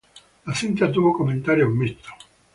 La cinta tuvo comentarios mixtos.